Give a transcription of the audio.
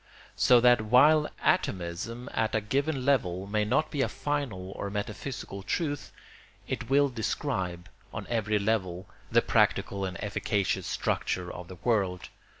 So that while atomism at a given level may not be a final or metaphysical truth, it will describe, on every level, the practical and efficacious structure of the world.